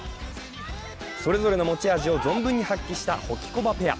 それぞれの持ち味を存分に発揮したホキコバペア。